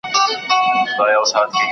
¬ مړی نه ارزي، چي و ارزي کفن څيري.